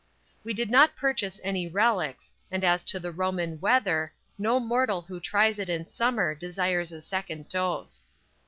We did not purchase any "relics," and as to the Roman "weather," no mortal who tries it in summer desires a second dose.